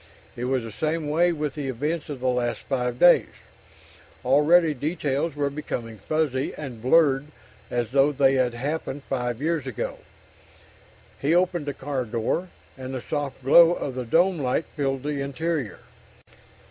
It was the same way with the events of the last five days; already details were becoming fuzzy and blurred as though they had happened five years ago. He opened the car door, and the soft glow of the dome light filled the interior.